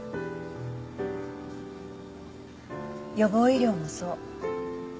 予防医療もそう。